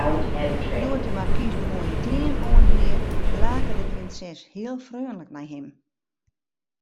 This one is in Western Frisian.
Doe't de markys de moaie klean oanhie, lake de prinses heel freonlik nei him.